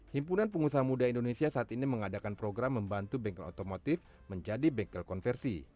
himpunan pengusaha muda indonesia saat ini mengadakan program membantu bengkel otomotif menjadi bengkel konversi